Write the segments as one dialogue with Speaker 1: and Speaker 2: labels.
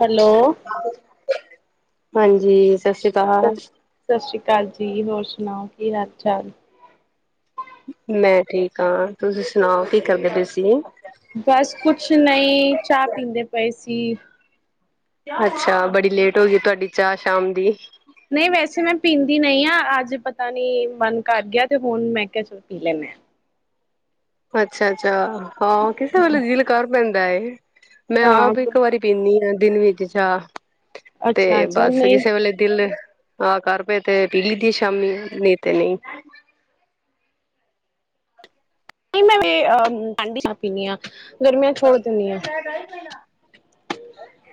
Speaker 1: Hello
Speaker 2: ਹਾਂਜੀ ਸਤ ਸ੍ਰੀ ਅਕਾਲ ਅਕਾਲ
Speaker 1: ਸਤਿ ਸ਼੍ਰੀ ਅਕਾਲ ਜੀ ਹੋਰ ਸੁਣਾਓ ਕੀ ਹਾਲ ਚਾਲ
Speaker 2: ਮੈਂ ਠੀਕ ਹਾਂ ਤੁਸੀਂ ਸੁਣਾਓ ਕੀ ਕਰਦੇ ਤੁਸੀਂ
Speaker 1: ਬਸ ਕੁਛ ਨਹੀਂ ਚਾਹ ਪੀਂਦੇ ਪਏ ਸੀ
Speaker 2: ਅੱਛਾ ਬੜੀ ਲੇਟ ਹੋ ਗਈ ਤੁਹਾਡੀ ਚਾਹ ਸ਼ਾਮ ਦੀ
Speaker 1: ਨਹੀਂ ਵੈਸੇ ਮੈਂ ਪੀਂਦੀ ਨਹੀਂ ਆਾਂ ਅੱਜ ਪਤਾ ਨੀ ਮਨ ਕਰ ਗਿਆ ਤੇ ਹੁਣ ਮੈਂ ਕ ਚ ਪੀ ਲੈਂ ਮੈਂ
Speaker 2: ਅੱਛਾ ਅੱਛਾ ਹਾਂ ਕਿਸੇ ਵੇਲੇ ਦਿਲ ਕਰ ਪੈਂਦਾ ਮੈਂ
Speaker 1: ਆ। ਹਾਂ
Speaker 2: ਆਪ ਇੱਕ ਵਾਰੀ ਪੀਂਦੀ ਹਾਂ ਦਿਨ ਵਿੱਚ ਚਾਹ ਤੇ
Speaker 1: ਅੱਛਾ ਅੱਛਾ
Speaker 2: ਬਸ
Speaker 1: ਨਹੀਂ
Speaker 2: ਕਿਸੇ ਵੇਲੇ ਦਿਲ ਆਹ ਕਰ ਪਏ ਤੇ ਪੀ ਲਈ ਦੀ ਸ਼ਾਮੀ ਨਹੀਂ ਤੇ ਨਹੀਂ
Speaker 1: ਨਹੀਂ ਮੈਂ ਠੰਡੀ ਚਾਹਪੀਦੀ ਹਾਂ ਗਰਮੀਆਂ ਛੋੜ ਦਿੰਦੀ ਹਾਂ
Speaker 2: ਗ ਮਈ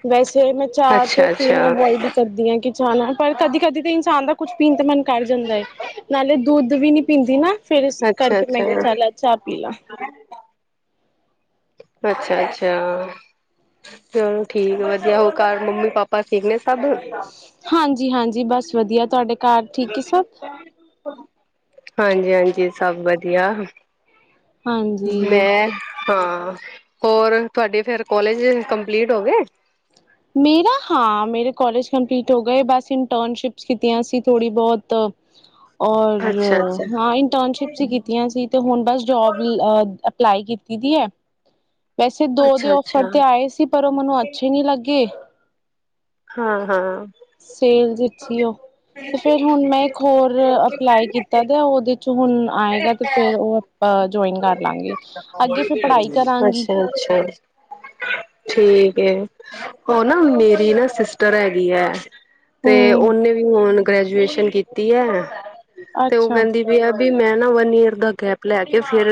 Speaker 1: ਵੈਸੇ ਮੈਂ ਚਾਹ ਤੇ
Speaker 2: ਅੱਛਾ
Speaker 1: ਪੀਣਾ
Speaker 2: ਅੱਛਾ
Speaker 1: ਅਵੋਇਡ ਸਰਦੀਆਂ ਕਿ ਜਾਣਾ ਪਰ ਕਦੀ ਕਦੀ ਤਾਂ ਇਨਸਾਨ ਦਾ ਕੁੱਝ ਪੀਨ ਨੂੰ ਮਨ ਕਰ ਜਾਂਦਾ ਹੈ ਨਾਲੇ ਦੁੱਧ ਵੀ ਨੀ ਪੀਂਦੀ ਨਾ। ਫੇਰ ਇਸ
Speaker 2: ਅੱਛਾ
Speaker 1: ਕਰਕੇ ਮੈਂ ਕਿਹਾ
Speaker 2: ਅੱਛਾ
Speaker 1: ਚਾਹ ਲੈ ਚਾਹ ਪੀ ਲਾ।
Speaker 2: ਅੱਛਾ, ਅੱਛਾ ਚਲੋ ਠੀਕ ਵਧੀਆ। ਹੋਰ ਘਰ ਮੰਮੀ ਪਾਪਾ ਠੀਕ ਨੇ ਸਭ?
Speaker 1: ਹਾਂਜੀ, ਹਾਂਜੀ ਬਸ ਵਧੀਆ। ਤੁਹਾਡੇ ਘਰ ਠੀਕ ਏ ਸਭ?
Speaker 2: ਹਾਂਜੀ, ਹਾਂਜੀ ਸਭ ਵਧੀਆ।
Speaker 1: ਹਾਂਜੀ।
Speaker 2: ਮੈਂ ਹਾਂ ਹੋਰ ਤੁਹਾਡੇ ਫੇਰ ਕੋਲੇਜ ਕੰਪਲੀਟ ਹੋ ਗਏ?
Speaker 1: ਮੇਰਾ ਹਾਂ ਮੇਰੇ ਕੋਲਜ ਕੰਪਲੀਟ ਹੋ ਗਏ ਬਸ ਇੰਟਰਨਸ਼ਿਪਸ ਕੀਤੀਆਂ ਸੀ ਥੋੜ੍ਹੀ ਬਹੁਤ
Speaker 2: ਹ [inaudible]
Speaker 1: ਔਰ ਹਾਂ ਇੰਟਰਨਸ਼ਿਪ ਚ ਕੀਤੀ ਆਂ ਸੀ ਤੇ ਹੁਣ ਬਸ ਜੋਬ ਅ ਅਪਲਾਈ ਕੀਤੀ ਦੀ ਹੈ [unintelligible] ਵੈਸੇ ਦੋ ਦੇ
Speaker 2: ਅੱਛਾ
Speaker 1: ਔਫਰ
Speaker 2: ਅੱਛਾ।
Speaker 1: ਤੇ ਆਏ ਸੀ ਪਰ ਉਹ ਮੈਨੂੰ ਅੱਛੇ ਨੀ ਲੱਗੇ
Speaker 2: ਹਾਂ ਹਾਂ
Speaker 1: ਸੇਲ ਜਿੱ ਸੀਓ [unintelligible] ਤੇ ਫਿਰ ਹੁਣ ਮੈਂ ਇੱਕ ਹੋਰ ਅਪਲਾਈ ਕੀਤਾ ਤੇ ਉਹਦੇ ਚ ਹੁਣ ਆਏਗਾ ਤੇ ਫਿਰ ਉਹ ਅ ਜੁਆਇਨ ਕਰ ਲਾਂਗੇ ਅੱਗੇ ਫਿਰ ਪੜ੍ਹਾਈ ਕਰਾਂਗੀ
Speaker 2: ਅੱਛਾ ਅੱਛਾ ਠੀਕ ਹੈ ਉਹ ਨਾ ਮੇਰੀ ਨਾ ਸਿਸਟਰ ਹੈਗੀ ਹੈ ਤੇ
Speaker 1: ਹੂੰ
Speaker 2: ਉਹਨੇ ਵੀ ਹੁਣ ਗ੍ਰੈਜੂਏਸ਼ਨ ਕੀਤੀ ਹੈ ਤੇ ਉਹ
Speaker 1: ਅੱਛਾ
Speaker 2: ਕਹਿੰਦੀ ਵੀ ਮੈਂ ਨਾ ਵਨ ਈਅਰ ਦਾ ਗੈਪ ਲੈ ਕੇ ਫਿਰ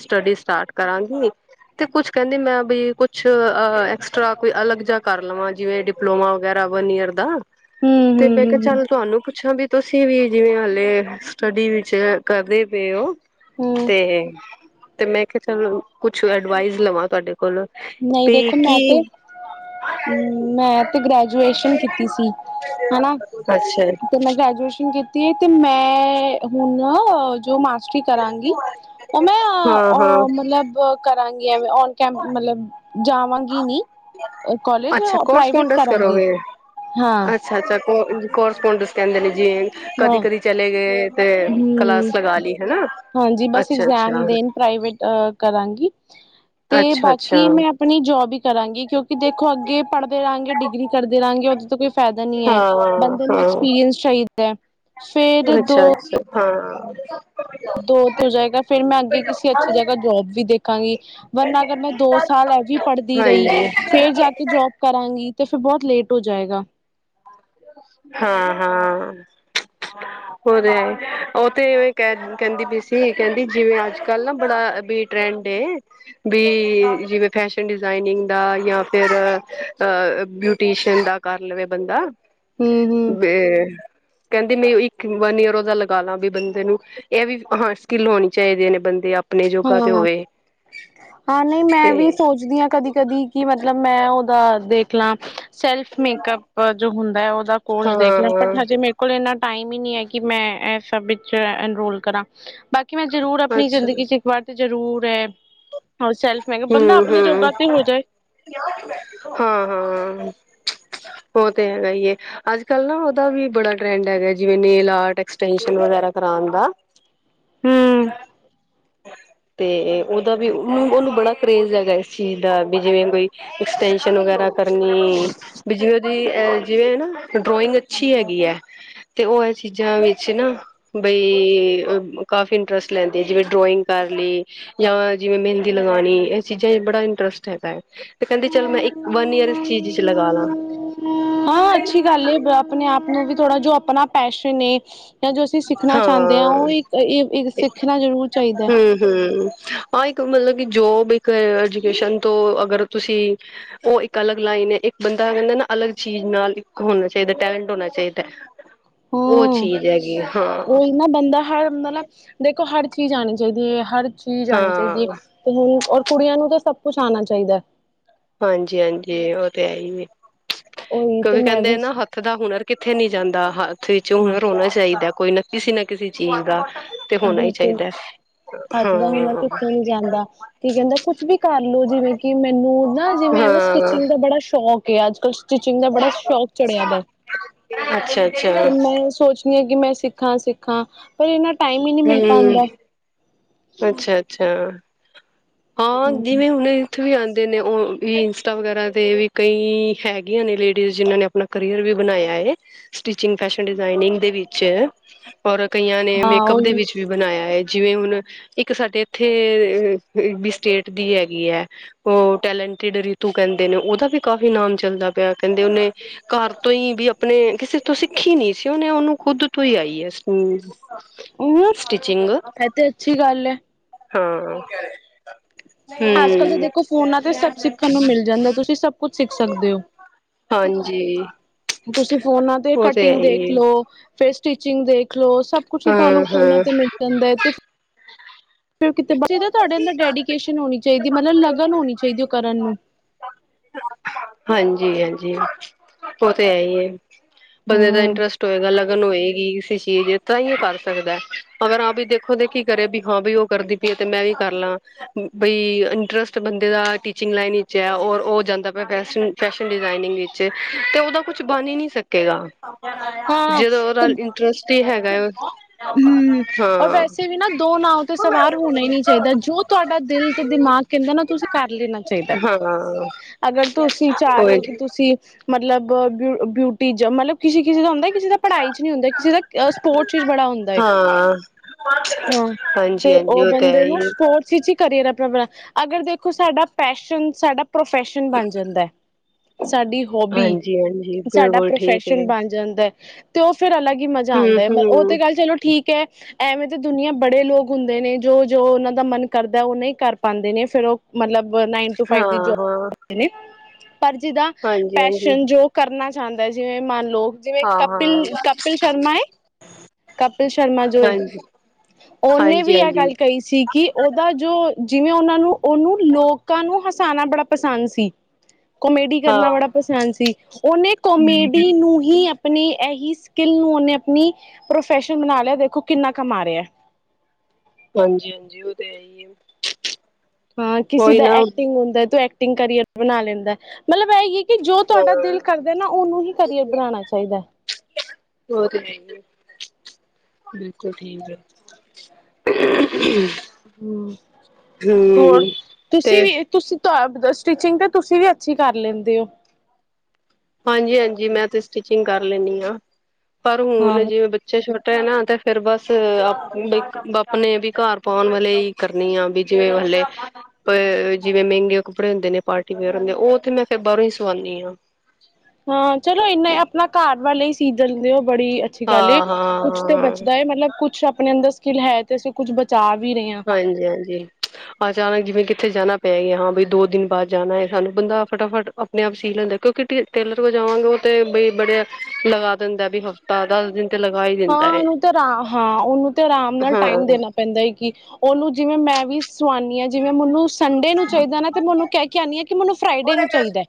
Speaker 2: ਸਟਡੀ ਸਟਾਰਟ ਕਰਾਂਗੀ ਤੇ ਕੁਛ ਕਹਿੰਦੀ ਮੈਂ ਬ ਕੁਛ ਐਕਸਟਰਾ ਕੋਈ ਅਲੱਗ ਜਿਹਾ ਕਰ ਲਵਾਂ ਜਿਵੇਂ ਡਿਪਲੋਮਾ ਵਗੈਰਾ ਵਨ ਈਅਰ ਦਾ ਤੇ ਮੈਂ ਕਿਹਾ
Speaker 1: ਹੂੰ-ਹੂੰ-ਹੂੰ-ਹੂੰ। ਹੂੰ। ਹੂੰ,
Speaker 2: ਚੱਲ ਤੁਹਾਨੂੰ ਪੁੱਛਾਂ ਵੀ ਤੁਸੀਂ ਵੀ ਜਿਵੇਂ ਹਾਲੇ ਸਟੱਡੀ ਵਿੱਚ ਕਰਦੇ ਪਏ ਹੋ
Speaker 1: ਹੂੰ, ਹੂੰ
Speaker 2: ਤੇ ਮੈਂ ਕਿਹਾ ਚਲੋ ਕੁਛ ਅਡਵਾਈਜ਼ ਲਵਾਂ ਤੁਹਾਡੇ ਕੋਲ
Speaker 1: ਨਹੀਂ
Speaker 2: ਵੀ
Speaker 1: ਦੇਖੋ ਮੈਂ ਤੇ
Speaker 2: ਕੀ
Speaker 1: ਮੈਂ ਤੇ ਗ੍ਰੈਜੂਏਸ਼ਨ ਕੀਤੀ ਸੀ ਹਨਾ
Speaker 2: ਅੱਛਾ
Speaker 1: ਤੇ ਮੈਂ ਗ੍ਰੈਜੂਏਸ਼ਨ ਕੀਤੀ ਹੈ ਤੇ ਮੈਂ ਹੁਣ ਜੋ ਮਾ ਕਰਾਂਗੀ ਉਹ ਮੈਂ
Speaker 2: ਹਾਂ ਹਾਂ
Speaker 1: ਮਤਲਬ ਕਰਾਂਗੀਆਂ ਓਨ ਕੈਂਪ ਮਤਲਬ ਜਾ ਾਂਗੀ ਨੀ ਕੋਾਲਜ
Speaker 2: ਅੱਛਾ
Speaker 1: ਪ੍ਰਾਈਵੇਟ
Speaker 2: ਕੋਰਸਪੋਂਡਸ
Speaker 1: ਕਰਾਂਗੀ
Speaker 2: ਕਰੋਗੇ
Speaker 1: ਹਾਂ [unintelligible]
Speaker 2: ਅੱਛਾ ਅੱਛਾ ਕਰੇਸਪੋਂਡੇਨਸ ਕਹਿੰਦੇ ਨੇ ਜੀ ਕਦੀ
Speaker 1: ਹੂੰ
Speaker 2: ਕਦੀ ਚਲੇ ਗਏ ਤੇ ਕਲਾਸ ਲਗਾ ਲਈ ਹਨਾ
Speaker 1: ਹਾਂਜੀ ਬਸ
Speaker 2: ਅੱਛਾ
Speaker 1: ਇਗਜ਼ਾਮ
Speaker 2: ਅੱਛਾ
Speaker 1: ਦੇਣ ਪ੍ਰਾਈਵੇਟ ਕਰਾਂਗੀ ਤੇ
Speaker 2: ਅੱਛਾ ਅੱਛਾ
Speaker 1: ਬਾਕੀ ਮੈਂ ਆਪਣੀ ਜੋਬ ਹੀ ਕਰਾਂਗੇ ਕਿਉਂਕਿ ਦੇਖੋ ਅੱਗੇ ਪੜ੍ਹਦੇ ਰਹਾਂਗੇ ਡਿਗਰੀ ਕਰਦੇ ਰਹਾਂਗੇ ਉਦ ਤੋਂ ਕੋਈ ਫਾਇਦਾ ਨੀ ਹੈ
Speaker 2: ਹਾਂ
Speaker 1: ਬੰਦੇ ਨੂੰ
Speaker 2: ਹਾਂ
Speaker 1: ਐਕਸਪੀਰੀਅੰਸ ਚਾਹੀਦਾ ਹੈ ਫੇਰ ਦੋ
Speaker 2: ਅੱਛਾ ਅੱਛਾ ਹਾਂ
Speaker 1: ਦੋ ਤੇ ਹੋ [unintelligible] ਜਾਏਗਾ ਫੇਿਰ ਮੈਂ ਅੱਗੇ ਕਿਸੇ ਅੱਛੀ ਜਗ੍ਹਾ ਜੋਬ ਵੀ ਦੇਖਾਂਗੀ ਵਰਨਾ ਅਗਰ ਮੈਂ ਦੋ ਸਾਲ ਐਵੀ ਪੜ੍ਹਦੀ ਰਹੀ
Speaker 2: ਹਾਂਜੀ
Speaker 1: ਫੇਰ ਜਾ ਕੇ ਜੋਬ ਕਰਾਂਗੀ ਤੇ ਫਿਰ ਬਹੁਤ ਲੇਟ ਹੋ ਜਾਏਗਾ
Speaker 2: ਹਾਂ ਹਾਂ ਹੋ ਰਿਹਾ ਉਹ ਤੇ ਐਵੇਂ ਕਹਿੰਦੀ ਵੀ ਸੀ ਕਹਿੰਦੀ ਜਿਵੇਂ ਅੱਜ ਕੱਲ ਨਾ ਬੜਾ ਬੀ ਟਰੈਂਡ ਹੈ ਵੀ ਜਿਵੇਂ ਫੈਸ਼ਨ ਡਿਜ਼ਾਇਨਿੰਗ ਦਾ ਜਾਂ ਫਿਰ ਬਿਊਟੀਸ਼ਨ ਦਾ ਕਰ ਲਵੇ ਬੰਦਾ
Speaker 1: ਹਮ
Speaker 2: ਵ ਕਹਿੰਦੇ ਮੈਂ ਇੱਕ ਵਨ ਈਅਰ ਉਹਦਾ ਲਗਾ ਲਾ ਵੀ ਬੰਦੇ ਨੂੰ ਇਹ ਵੀ ਹਾਂ ਸਕਿੱਲ ਹੋਣੀ ਚਾਹੀਦੀ ਨੇ ਬੰਦੇ ਆਪ
Speaker 1: ਹਾਂ ਹਾਂ ਨਹੀਂ ਮੈਂ ਵੀ
Speaker 2: ਤੇ
Speaker 1: ਸੋਚਦੀ ਹਾਂ ਕਦੀ ਕਦੀ ਕੀ ਮਤਲਬ ਮੈਂ ਉਹਦਾ ਦੇਖ ਲਾਂ ਸੈਲਫ ਮੇਕਅਪ ਜੋ ਹੁੰਦਾ ਹੈ ਉਹਦਾ ਕੋਰਸ ਦੇਖ ਲੈ ਬਟ
Speaker 2: ਹਾਂ,
Speaker 1: ਹਜੇ ਮ [unintelligible] ਕੋਲ ਇੰਨਾ ਟਾਈਮ ਹੀ ਨੀ ਹੈ ਕਿ ਮੈਂ ਇਹ ਸਭ ਵਿੱਚ ਇਨਰੋਲ ਕਰਾਂ ਬਾਕੀ ਕਿ ਮੈਂ ਜ਼ਰੂਰ ਆਪਣੀ
Speaker 2: ਅੱਛਾ ਜੀ।
Speaker 1: ਜ਼ਿੰਦਗੀ ਚ ਇੱਕ ਵਾਰ ਤੇ ਜ਼ਰੂਰ ਹੈ ਉਹ ਸੈਲਫ ਮੈਂ ਕਿਹਾ ਬੰਦਾ ਆਪਣੇ ਜੋਗਾ ਤੇ ਹੋ ਜਾਏ
Speaker 2: ਹਾਂ ਹਾਂ ਉਹ ਤੇ ਹੈਗਾ ਏ ਅੱਜਕੱਲ੍ਹ ਨਾ ਉਹਦਾ ਵੀ ਬੜਾ ਟਰੈਂਡ ਹੈਗਾ ਜਿਵੇ ਨੇਲ ਆਰਟ ਐਕਸਟੈਨਸ਼ਨ ਵਗੈਰਾ ਕਰਵਾਉਣ ਦਾ
Speaker 1: ਹਮ
Speaker 2: ਤੇ ਉਹਦਾ ਵੀ ਉਹਨੂੰ ਉਹਨੂੰ ਬੜਾ ਕਰੇਜ ਹੈਗਾ ਇਸ ਚੀਜ਼ ਦਾ ਵੀ ਜਿਵੇਂ ਕੋਈ ਐਕਸਟੈਂਸ਼ਨ ਵਗੈਰਾ ਕਰਨੀ ਬ ਜਿਵੇਂ ਦੀ ਜਿਵੇਂ ਨਾ ਡਰੋਇੰਗ ਅੱਛੀ ਹੈਗੀ ਹੈ ਤੇ ਉਹ ਇਹ ਚੀਜ਼ਾਂ ਵਿੱਚ ਨਾ ਬਈ ਕਾਫੀ ਇੰਟਰਸਟ ਲੈਂਦੀ ਆ ਜਿਵੇਂ ਡਰੋਇੰਗ ਕਰ ਲਈ ਜਾਂ ਜਿਵੇਂ ਮਹਿੰਦੀ ਲਗਾਉਣੀ ਇਹ ਚੀਜ਼ਾਂ ਚ ਬੜਾ ਇੰਟਰਸਟ ਹੈਗਾ ਹੈ ਤੇ ਕਹਿੰਦੀ ਚਲ ਮੈਂ ਇੱਕ ਵਨ ਈਅਰ ਇਸ ਚੀਜ਼ ਚ ਲਗਾ ਲਾ
Speaker 1: ਹਾਂ ਅੱਛੀ ਗੱਲ ਹੈ ਆਪਣੇ ਆਪ ਨੂੰ ਵੀ ਥੋੜਾ ਜੋ ਆਪਣਾ ਪੈਸ਼ਨ ਜਾਂ ਜੋ ਅਸੀਂ ਸਿੱਖਣਾ ਚਾਹੁੰਦੇ ਹਾਂ ਉਹ ਇੱਕ ਸਿੱਖਣਾ ਜ਼ਰੂਰ ਚਾਹੀਦਾ ਹੈ
Speaker 2: ਹਮ ਹਾਂ ਇੱਕ ਮਤਲਬ ਕਿ ਜੋਬ ਇੱਕ ਐਜੂਕੇਸ਼ਨ ਤੋਂ ਅਗਰ ਤੁਸੀਂ ਉਹ ਇੱਕ ਅਲੱਗ ਲਾਈਨ ਹੈਏ ਬੰਦਾ ਕਹਿੰਦਾ ਨਾ ਅਲੱਗ ਚੀਜ਼ ਨਾਲ ਇੱਕ ਹੋਣਾ ਚਾਹੀਦਾ ਟੈਲੈਂਟ ਹੋਣਾ ਚਾਹੀਦਾ ਉਹ
Speaker 1: ਹਮ
Speaker 2: ਚੀਜ਼ ਹੈਗੀ ਆ
Speaker 1: ਉਹੀ ਨਾ ਬੰਦਾ ਹਰ ਮਤਲਬ ਦੇਖੋ ਹਰ ਚੀਜ਼ ਆਉਣੀ ਚਾਹੀਦੀ ਹੈ ਹਰ ਚੀਜ਼ ਆਉਣੀ ਚਾਹੀਦੀ ਹੈ
Speaker 2: ਹਾਂ-ਹਾਂ
Speaker 1: ਤੇ ਹੁਣ ਔਰ ਕੁੜੀਆਂ ਨੂੰ ਤਾਂ ਸਭ ਕੁਛ ਆਉਣਾ ਚਾਹੀਦਾ
Speaker 2: ਹਾਂਜੀ ਹਾਂਜੀ ਉਹ ਤੇ ਹੈ ਹੀ ਵੀ
Speaker 1: ਉਹੀ ਤੇ
Speaker 2: ਕਿਕਿ
Speaker 1: ਮੈਂ
Speaker 2: ਕਹਿੰਦੇ
Speaker 1: ਵੀ
Speaker 2: ਨਾ ਹੱਥ ਦਾ ਹੁਨਰ ਕਿੱਥੇ ਨੀ ਜਾਂਦਾ ਹੱਥ ਵਿੱਚ
Speaker 1: ਹਾਂ
Speaker 2: ਹੁਨਰ ਹੋਣਾ ਚਾਹੀਦਾ ਕੋਈ ਨਾ ਕਿਸੇ ਨਾ ਕਿਸੇ ਚੀਜ਼ ਦਾ ਤੇ ਹੋਣਾ
Speaker 1: ਬਿਲਕੁਲ
Speaker 2: ਚਾਹੀਦਾ
Speaker 1: ਹੱਥ ਦਾ ਹੁਨਰ
Speaker 2: ਹਾਂ
Speaker 1: ਕਿੱਥੇ ਨੀ ਜਾਂਦਾ ਕੀ ਕਹਿੰਦਾ ਕੁਛ ਵੀ ਕਰਲੋ ਜਿਵੇਂ ਕਿ ਮੈਨੂੰ ਨਾ ਜਿਵੇਂ ਐਵੇਂ
Speaker 2: ਹਾਂ
Speaker 1: ਸਟਿਚਿੰਗ ਦਾ ਬੜਾ ਸ਼ੌਕ ਏ ਅੱਜ ਕੱਲ ਟੀਚਿੰਗ ਦਾ ਬੜਾ ਸ਼ੌਕ ਚੜਿਆ ਦਾ
Speaker 2: ਅੱਛਾ-ਅੱਛਾ
Speaker 1: ਤੇ ਮੈਂ ਸੋਚ ਕਿ ਮੈਂ ਸਿੱਖਾਂ ਸਿੱਖਾਂ ਪਰ ਇਹਨਾਂ
Speaker 2: ਹਮ ਅੱਛਾ ਅੱਛਾ ਹਾਂ ਜਿਵੇਂ ਹੁਣ ਉੱਥੇ ਵੀ ਆਉਂਦੇ ਨੇ ਉਹ ਵੀ ਇੰਸਟਾ ਵਗੈਰਾ 'ਤੇ ਵੀ ਕਈ ਹੈਗੀਆਂ ਨੇ ਲੇਡੀਜ਼ ਜਿਨ੍ਹਾਂ ਨੇ ਆਪ ਆਪਣਾ ਕਰੀਅਰ ਵੀ ਬਣਾਇਆ ਹੈ ਸਟਿਚਿੰਗ ਫੈਸ਼ਨ ਡਿਜ਼ਾਇਨਿੰਗ ਦੇ ਵਿੱਚ ਔਰ ਕਈਆਂ ਨੇ
Speaker 1: ਹਾਂ
Speaker 2: ਮੇਕਅਪ ਦੇ
Speaker 1: ਉਹੀ
Speaker 2: ਵਿੱਚ ਵੀ ਬਣਾਇਆ ਹੈ ਜਿਵੇਂ ਹੁਣ ਇੱਕ ਸਾਡੇ ਇੱਥੇ ਵੀ ਸਟੇਟ ਦੀ ਹੈਗੀ ਹੈ ਉਹ ਟੈਲੈਂਟਿਡ ਰੀਤੂ ਕਹਿੰਦੇ ਨੇ ਉਹਦਾ ਵੀ ਕਾਫੀ ਇਾਮ ਚੱਲਦਾ ਪਿਆ ਕਹਿੰਦੇ ਉਹਨੇ ਘਰ ਤੋਂ ਹੀ ਵੀ ਆਪਣੇ ਕਿਸੇ ਤੋਂ ਸਿੱਖੀ ਨੀ ਸੀ ਉਹਹਨੇ ਉਹਨੂੰ ਖੁਦ ਤੋਂ ਹੀ ਆਈ ਹੈ ਸਟੀਿਚਿੰਗ
Speaker 1: ਤੇ ਅੱਛੀ ਗੱਲ ਹੈ
Speaker 2: ਹਾਂ
Speaker 1: ਅੱਜ ਕੱਲ੍ਹ ਤਾਂ ਦੇਖੋ ਫੋਨਾਂ ਤੇ ਸਭ ਸਿੱਖਣ ਨੂੰ ਮਿਲ ਜਾਂਦਾ ਤੁਸੀਂ ਸਭ ਕੁਛ ਸਿੱਖ ਸਕਦੇ ਹੋ।
Speaker 2: ਹਮ ਹਾਂਜੀ
Speaker 1: ਤੁਸੀਂ ਫੋਨਾਂ ਤੇ
Speaker 2: ਉਹ ਹੈ
Speaker 1: ਕਟਿੰਗ
Speaker 2: ਹੀ
Speaker 1: ਦੇਖ
Speaker 2: ਏ।
Speaker 1: ਲੋ ਫੇਿਰ ਸਟਿਚਿੰਗ ਦੇਖ ਖਲੋ ਸਭ ਕੁੱਛ ਤੁਹਾਨੂੰ ਫੋਨਾਂ ਤੇ ਮਿਲ ਜਾਂਦਾ ਹੈ ਤੇ
Speaker 2: ਹ
Speaker 1: ਕਿਦਾ ਤੁਹਾਡੇ ਅੰਦਰ ਡੈਡੀਕੇਸ਼ਨ ਹੋਣੀ ਚਾਹੀਦੀ ਮਤਲਬ ਲਗਨ ਹੋਣੀ ਚਾਹੀਦੀ ਉਹ ਕਰਨ ਨੂੰ
Speaker 2: ਹਾਂਜੀ ਹਾਂਜੀ ਉਹ ਤੇ ਹੈ ਹੀ ਹੈ ਬੰਦੇ ਦਾ
Speaker 1: ਹਮ
Speaker 2: ਇੰਟਰਸਟ ਹੋਏਗਾ ਲਗਨ ਹੋਏਗੀ ਕਿਸ ਚੀਜ਼ ਤਾਂ ਹੀ ਉਹ ਕਰ ਸਕਦਾ ਅਗਰ ਆਪ ਵੀ ਦੇਖੋ ਦੇਖੀ ਕਰੇ ਵੀ ਹਾਂ ਵੀ ਉਹ ਕਰਦੀ ਪਈਏ ਤੇ ਮੈਂ ਵੀ ਕਰ ਲਾਂ ਬਈ ਇੰਟਰਸਟ ਬੰਦੇ ਦਾ ਟੀਚਿੰਗ ਲਾਈਨ ਵਿਚ ਹੈ ਔਰ ਉਹ ਜਾਂਦਾ ਪਿਆ ਵ ਫੈਸ਼ਨ ਡਿਜ਼ਾਇਨਿੰਗ ਵਿੱਚ ਤੇ ਉਹਦਾ ਕੁਛ ਬਣ ਹੀ ਨੀ ਸਕੇਗਾ
Speaker 1: ਹਾਂ
Speaker 2: ਜਦੋਂ
Speaker 1: ਤੇ
Speaker 2: ਰਲ ਇੰਟਰਸਟ ਹੀ ਹੈਗਾ
Speaker 1: ਹਮ ਔਰ,
Speaker 2: ਹਾਂ
Speaker 1: ਵੈਸੇ ਵੀ ਨਾ ਦੋ ਨਾਂਵ ਤੇ ਸਵਾਰ ਹੋਣਾ ਹੀ ਨੀ ਚਾਹੀਦਾ, ਜੋ ਤੁਹਾਡਾ ਦਿਲ ਤੇ ਦਿਮਾਗ ਕਹਿੰਦੇ ਨਾ, ਔ ਤੁਸੀਂ ਕਰ ਲੈਣਾ ਚਾਹੀਦਾ।
Speaker 2: ਹਾਂ
Speaker 1: ਅਗਰ ਤੁਸੀਂ ਚਾਹ ਰਹੇ ਹੋ, ਕਿ
Speaker 2: ਓਹੀ
Speaker 1: ਤੁਸੀਂ ਮਤਲਬ ਬਊ ਬਿਊਟੀ ਚ, ਮਤਲਬ ਕਿੇ ਕਿਸੇ ਦਾ ਹੁੰਦਾ ਕਿਸੇ ਦਾ ਪੜਾਈ ਚ ਨਹੀਂ ਹੁੰਦਾ, ਕਿਸੇ ਦਾ ਸਪੋਰਟਸ ਚ ਬੜਾ ਹੁੰਦਾ। ਏ।
Speaker 2: ਹਾਂ
Speaker 1: ਹਾਂ ਤੇ
Speaker 2: ਹਾਂਜੀ-ਹਾਂਜੀ
Speaker 1: ਉਹ
Speaker 2: ਤੇ ਹੈ
Speaker 1: ਬੰਦੇ
Speaker 2: ਹੀ
Speaker 1: ਨੂੰ
Speaker 2: ਏ।
Speaker 1: ਸਪੋਰਟਸ ਅੀ ਕਰੀਅਰ ਆਪਣਾਣਾ ਅਗਰ ਦੇਖੋ ਸਾਡਾ ਪੈਸ਼ਨ ਸਾਡਾ ਪ੍ਰੋਫੈਸ਼ਨ ਬਣ ਜਾਂਦਾ ਸਾਡੀ ਹੋਬੀ
Speaker 2: ਹਾਂਜੀ-ਹਾਂਜੀ,
Speaker 1: ਸਾਡਾ
Speaker 2: ਬਿਲਕੁਲ ਠੀਕ ਏ।
Speaker 1: ਪ੍ਰੋਫੈਸ਼ਨ ਬਣ ਜਾਂਦਾ ਤੇ ਉਹ ਫਿਰ ਅਲੱਗ ਹੀ ਮਜ਼ਾ ਆਉਂਦਾ ਹੈ ਉਹ
Speaker 2: ਹੂੰ-ਹੂੰ,
Speaker 1: ਤੇ ਗੱਲ ਚਲੋ ਠੀਕ ਹੈ ਐਵੇਂ ਤੇ ਦੁਨੀਆਂ ਬੜੇ ਲੋਕ ਹੁੰਦੇ ਨੇ ਜੋ ਜੋ ਉਹਨਾਂ ਦਾ ਮਨ ਕਰਦਾ ਉਹ ਨਹੀਂ ਕਰ ਪਾਉਂਦੇ ਨੇ ਫੇਿਰ ਉਹ ਮਤਲਬ ਨਾਈਨ ਫਵ ਦੀ
Speaker 2: ਹਾਂ-ਹਾਂ,
Speaker 1: ਜੋਬਦੇ ਨੇ ਪਰ ਜਿਦਾ
Speaker 2: ਹਾਂਜੀ-ਹਾਂਜੀ।
Speaker 1: ਪੈਸ਼ਨ ਜੋ ਕਰਨਾ ਚਾਹੁੰਦਾ ਹੈ ਜਿਵੇਂ ਮੰਨ ਲਓ ਜਿਵੇਂ ਕਪਿਲ
Speaker 2: ਹਾਂ-ਹਾਂ,
Speaker 1: ਕਪਿਲ ਸ਼ਰਮਾ ਏ ਕਪਿਲ ਸ਼ਰਮਾ ਜੋ ਹੈ
Speaker 2: ਹਾਂਜੀ,
Speaker 1: ਉਹਨੇ ਵੀ ਇਹ
Speaker 2: ਹਾਂਜੀ-ਹਾਂਜੀ,
Speaker 1: ਗੱਲ ਕਹੀ ਸੀ ਕਿ ਉਹਦਾ ਜੋ ਜਿਵੇਂ ਉਹਨਾਂ ਨੂੰ ਉਹਨੂੰ ਲੋਕਾਂ ਨੂੰ ਹਸਾਉਣਾ ਬੜਾ ਪਸੰਦ ਸੀ ਕੋਮੇਡੀ ਕਰਨਾ
Speaker 2: ਹਾਂ।
Speaker 1: ਬੜਾ ਪਸੰਦ ਸੀ ਉਹਨੇ ਕੋਮੇਡੀ ਨੂੰ ਹੀ ਆਪਣੀ ਇਹੀ ਸਕਿੱਲ ਨੂੰ ਉਹਨੇ ਆਪਣੀ ਪ੍ਰੋਫੈਸ਼ਨ ਬਣਾ ਲਿਆ, ਦੇਖੋ ਕਿੰਨਾ ਕਮਾ ਰਿਹਾ ਐ।
Speaker 2: ਹਾਂਜੀ ਹਾਂਜੀ, ਉਹ ਤੇ ਹੈ ਹੀ ਐ।
Speaker 1: ਹਾਂ ਕਿਸੇ ਦਾ ਐਕਟਿੰਗ ਹੁੰਦਾ ਤੂੰ ਐਕਟਿੰਗ ਕਰੀਅਰ ਬਣਾ ਲੈਂਦਾ, ਮਤਲਬ ਇਹ ਹੀ ਕਿ ਜੋ ਤੁਹਾਡਾ ਦਿਲ ਕਰਦਾ ਨਾ, ਉਹਨੂੰ ਹੀ ਕੈਰੀਅਰ ਬਣਾਉਣਾ ਚਾਹੀਦਾ
Speaker 2: ਔ ਤੇ ਹੈ ਹੀ ਐ, ਬਿਲਕੁਲ ਠੀਕ ਐ। ਹ [unintelligible]
Speaker 1: ਹੂ, ਹੋਰ, ਤੁਸੀਂ
Speaker 2: ਤੇ
Speaker 1: ਵੀ ਤੁਸੀਂ ਤੇ ਆਪ, ਸਟਿਚਿੰਗ ਤੇ ਤੁਸੀਂ ਵੀ ਅੱਛੀ ਕਰ ਲੈਂਦੇ ਹੋ।
Speaker 2: ਹਾਂਜੀ ਹਾਂਜੀ, ਮੈਂ ਤੇ ਸਟਿਚਿੰਗ ਕਰ ਲੈਂਦੀ ਹਾਂ ਪਰ ਹੁਣ
Speaker 1: ਹਾਂ।
Speaker 2: ਜਿਵੇਂ ਬੱਚੇ ਛੋਟੇ ਐ ਨਾ, ਤੇ ਫਰ ਬਸ ਆਪ ਆਪਣੇ ਵੀ ਘਰ ਪਾਉਣ ਵਾਲੇ ਕਰਨੀ ਆ, ਬਈ ਜਿਵੇਂ ਹਲੇ ਜਿਵੇਂ ਮਹਿੰਗੇ ਕੱਪੜੇ ਹੁੰਦੇ ਨੇ, ਪਾਰਟੀ ਵੇਅਰ ਹੁੰਦੇ ਆ, ਉਹ ਤੇ ਮੈਂ ਫੇਰ ਬਾਹਰੋਂ ਹੀ ਸਵਾਉਂਦੀ ਹਾਂ। ਅੱਛ
Speaker 1: ਹਾਂ ਚਲੋ ਇਨਾ ਆਪਣਾ ਘਰ ਵਾਰ ਲਈ ਸੀ ਦਿੰਦੇ ਹੋ, ਬੜੀ ਅੱਛੀ ਅੱਛੀ ਗਲ ਏ,
Speaker 2: ਹਾਂ ਹਾਂ
Speaker 1: ਕੁਛ ਤੇ
Speaker 2: ਹਾਂ
Speaker 1: ਬਚਦਾ ਏ, ਮਤਲਬ ਕੁਛ ਆਪਣੇ ਅੰਦਰ ਸਕਿੱਲ ਹੈ ਤੇ ਅਸੀਂ ਕੁਛ ਬਚਾ ਵੀ ਰਹੇ ਹਾਂ।
Speaker 2: ਹਾਂਜੀ ਹਾਂਜੀ ਅਚਾਨਕ ਜਿਵੇਂ ਕਿੱਥੇ ਜਾਣਾ ਪੈ ਗਿਆ, ਹਾਂ ਬਈ ਦੋ ਦਿਨ ਬਾਅਦ ਜਾਣਾ ਹੈ, ਸਾਨੂੰ ਬੰਦਾ ਫਟਾਫਟ ਆਪਣੇ ਆਪ ਸੀ ਲੈਂਦੇ, ਕਿਉਂਕਿ ਟੇਲਰ ਕੋ ਜਾਵਾਂਗੇ ਉਹ ਤੇ ਬਈ ਬੜੇ ਲਗਾ ਦਿੰਦਾ, ਵੀ ਹਫ਼ਤਾ ਦਸ ਦਿਨ ਤੇ ਲਗਾ ਹੀ ਦਿੰਦਾ
Speaker 1: ਹਾਂ
Speaker 2: ਹੈ
Speaker 1: ਉਹਨੂੰ ਤੇ ਆਰਾ, ਹਾਂ ਉਹਨੂੰ ਤੇ ਆਰਾਮ ਨਾਲ
Speaker 2: ਹਾਂ
Speaker 1: ਟਾਈਮ ਦੇਣਾ ਪੈਂਦਾ ਹੈ, ਕਿ ਉਹਨੂੰ ਜਿਵੇਂ ਮੈਂ ਵੀ ਸਵਾਉਦੀ ਹਾਂ, ਜਿਵੇਂ ਮੈਨੂੰ ਸੰਡੇ ਨੂੰ ਚਾਹੀਦਾ ਨਾ ਤੇ ਮੈਨੂੰ ਕਹਿ ਕਹਿੰਨੀ ਆ, ਕਿ ਮੈਨੂੰ ਫਰਾਈ ਡੇ ਨੂੰ ਚਾਹੀਦਾ ਹੈ।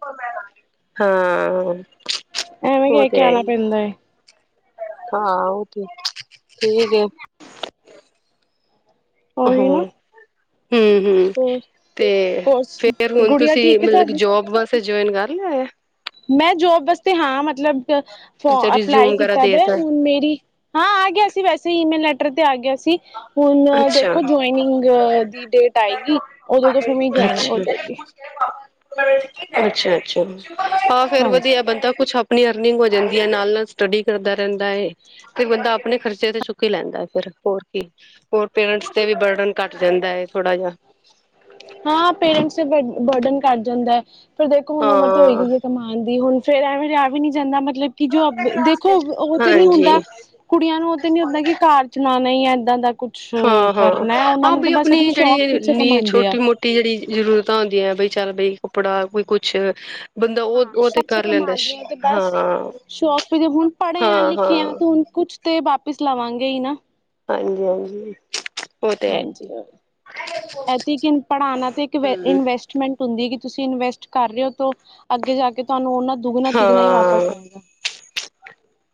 Speaker 2: ਹਾਂ
Speaker 1: ਐਵੇਂ
Speaker 2: ਉਹ
Speaker 1: ਕਹਿ
Speaker 2: ਤੇ
Speaker 1: ਕੇ
Speaker 2: ਹੈ
Speaker 1: ਆਉਣਾ
Speaker 2: ਹੀ ਐ।
Speaker 1: ਪੈਂਦਾ ਹੈ
Speaker 2: ਹਾਂ ਉਹ ਤੇ, ਠੀਕ ਹੈ
Speaker 1: ਔ ਹੀ ਨਾ
Speaker 2: ਹੂ ਹੂ,
Speaker 1: ਹੋਰ
Speaker 2: ਤੇ
Speaker 1: ਹੋਰ
Speaker 2: ਫੇਰ ਹੁਣ
Speaker 1: ਗੁੜੀਆ
Speaker 2: ਤੁਸੀਂ
Speaker 1: ਠੀਕ ਹੈ
Speaker 2: ਮਤਲਬ ਕੀ,
Speaker 1: ਤੁਹਾਡੀ
Speaker 2: ਜੋਬ ਵਾਸਤੇ ਫਿਰ ਜੋਇਨ ਕਰੱ ਲੇਯਾ ਹੋਯਾ
Speaker 1: ਮੈਂ ਜੋਬ ਵਾਸਤੇ ਹਾਂ ਮਤਲਬ ਫੋ
Speaker 2: ਅੱਛਾ ਰਿਜ਼ਿਊਮ
Speaker 1: ਅਪਲਾਈ
Speaker 2: ਵਗੈਰਾ
Speaker 1: ਕੀਤਾ ਪਿਆ,
Speaker 2: ਦੇਤਾ
Speaker 1: ਹੁਣ ਮੇਰੀ ਹਾਂ ਆ ਗਿਆ ਸੀ ਵੈਸੇ, ਈਮੇਲ ਲੈਟਰ ਤੇ ਆ ਗਿਆ ਸੀ ਹੁਣ
Speaker 2: ਅੱਛਾ।
Speaker 1: ਦੇਖੋ ਜੁਆਇਨਿੰਗ ਦੀ ਡੇਟ ਆਏਗੀ, ਉਦੋਂ ਤੋਂ ਫਿਰ ਮੇਰੀ ਜੁਇਨਿੰਗ ਹੋ
Speaker 2: ਅੱਛਾ।
Speaker 1: ਜਾਏਗੀ।
Speaker 2: ਅੱਛਾ ਅੱਛਾ, ਹਾਂ ਫੇਰ
Speaker 1: ਹਾਂਜੀ
Speaker 2: ਵਧੀਆ, ਬੰਦਾ ਕੁਛ ਆਪਣੀ ਅਰਨਿੰਗ ਹੋ ਜਾਂਦੀ ਹੈ, ਨਾਲ ਨਾਲ ਸਟੱਡੀ ਕਰਦਾ ਰਹਿੰਦਾ ਹੈ। ਫਿਰ ਬੰਦਾ, ਆਪਣੇ ਖਰਚੇ ਤੇ ਚੁੱਕ ਹੀ ਲੈਂਦਾ ਫਿਰ ਹੋਰ ਕੀ ਹੋਰ ਪੇਰੈਂਟਸ ਤੇ ਵੀ ਬਰਡਨ ਘੱਟ ਜਾਂਦਾ ਹੈ, ਥੋੜਾ ਜਿਹਾ।
Speaker 1: ਹਾਂ ਪੇਰੈਂਟਸ, ਤੇ ਬਰਡਨ ਕਟ ਜਾਂਦਾ ਹੈ। ਹੁਣ ਦੇਖੋ ਹੁਣ ਉਮਰ ਥੋੜੀ ਤੇ
Speaker 2: ਹਾਂ
Speaker 1: ਹੋ ਹੀ ਗਈ ਹੈ, ਕਮਾ ਹਾਂਜੀ, ਹੁਣ ਫੇਰ ਐਵੇਂ ਰਿਆ ਵੀ ਨੀ ਜਾਂਦਾ, ਮਤਲਬ ਕਿ ਜੋ ਅਬ, ਦੇਖੋ ਉਹ ਤੇ ਨੀ
Speaker 2: ਹਾਂਜੀ
Speaker 1: ਹੁੰਦਾ ਕੁੜੀਆਂ ਨੂੰ ਉਹ ਤੇ ਨੀ ਹੁੰਦਾ, ਕਿ ਕਾਰ ਚਲਾਣਾ ਈ, ਏਦਾਂ ਦਾ ਕੁ
Speaker 2: ਹਾਂ-ਹਾਂ, ਆਹ ਬੀ ਅਪਣੀ
Speaker 1: ਸ਼ੌਕ
Speaker 2: ਜੇਹੜੀ
Speaker 1: ਪਿੱਛੇ
Speaker 2: ਨੀ,
Speaker 1: ਕਮਾਉਂਦੇ ਆ
Speaker 2: ਛੋਟੀ ਮੋ ਟੀ ਜੇਹੜੀ ਜਰੂਰਤਾਂ ਹੁੰਦੀਆਂ, ਬਈ ਚੱਲ ਬਈ ਕੱਪੜਾ ਕੋਈ ਕੁਛ ਬੰਦਾ ਉਹ
Speaker 1: ਹਾਂ
Speaker 2: ਉਹ ਤੇ ਕਰ
Speaker 1: ਸ਼ੌਛਕ
Speaker 2: ਲੈਂਦਾ
Speaker 1: ਮਾਰਦੀਆਂ ਤੇ
Speaker 2: ਹਾਂ
Speaker 1: ਬਸ, ਸ਼ੌਕ ਵੀ ਵੇ ਹੁਣ ਪੜ੍ਹੇ ਆ,
Speaker 2: ਹਾਂ
Speaker 1: ਲਿਖੇ ਆ,
Speaker 2: ਹਾਂ
Speaker 1: ਤੇ ਹੁਣ ਕੁਛ ਤੇ ਵਾਪਿਸ ਲਵਾਂਗੇ ਹੀ ਨਾ।
Speaker 2: ਹਾਂਜੀ ਹਾਂਜੀ। ਉਹ ਤੇ ਹੈ
Speaker 1: ਹਾਂਜੀ, ਇੱਥੇ ਇੱਕ ਪੜ੍ਹਾਉਣਾ ਤੇ ਇੱਨਵੇਸ
Speaker 2: ਹਮ
Speaker 1: ਇਨਵੈਸਟ ਹੁੰਦੀ, ਕਿ ਤੁਸੀਂ ਇਨਵੈਸਟ ਕਰ ਰਹੇ ਹੋ ਅੱਗੇ ਜਾ ਕੇ ਤੁਹਾਨੂੰ ਉਹਨਾ ਦੁਗਣਾ ਤਿਗਣਾ ਹੀ ਵਾਪਸ
Speaker 2: ਹਾਂ
Speaker 1: ਆਏਗਾ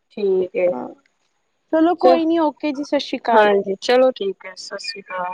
Speaker 2: ਠੀਕ ਹੈ,
Speaker 1: ਹਾਂ ਚਲੋ
Speaker 2: ਚ
Speaker 1: ਕੋਈ ਨੀ ਓਕੇ ਜੀ ਸਤਿ ਸ਼੍ਰੀ ਅਕਾਲ
Speaker 2: ਹਾਂਜੀ ਚਲੋ ਠੀਕ ਔ ਕੇ ਸਤਿ ਸ਼੍ਰੀ ਅਕਾਲ